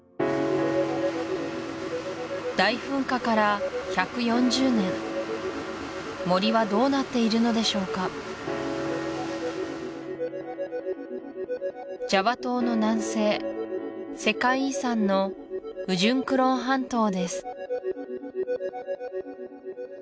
大噴火から１４０年森はどうなっているのでしょうかジャワ島の南西世界遺産のウジュンクロン半島です